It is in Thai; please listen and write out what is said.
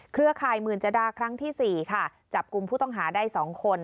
เครือคายมืนจดาครั้งที่สี่ค่ะจับกลุ่มผู้ต้องหาได้สองคน